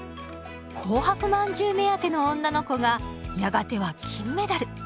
紅白饅頭目当ての女の子がやがては金メダル。